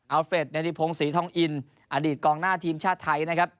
อัลเฟทเนธิพงศ์ศรีท้องอินอดีตกองหน้าทีมชาติไทย